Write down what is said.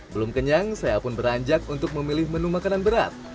belum kenyang saya pun beranjak untuk memilih menu makanan berat